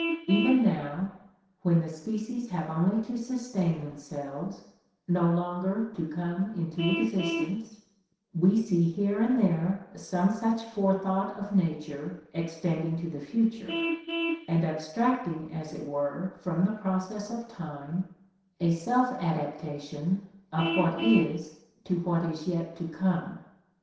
Even now, when the species have only to sustain themselves, no longer to come into existence, we see here and there some such forethought of nature extending to the future, and abstracting as it were from the process of time, a self adaptation of what is to what is yet to come.